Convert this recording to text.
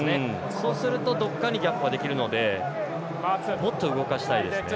そうするとどこかにギャップができるのでもっと動かしたいですね。